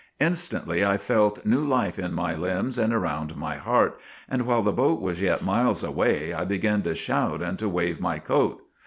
Instantly I felt new life in my limbs and around my heart, and while the boat was yet miles away I began to shout and to wave my coat.